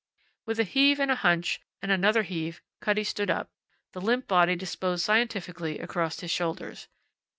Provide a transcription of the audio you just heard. With a heave and a hunch and another heave Cutty stood up, the limp body disposed scientifically across his shoulders.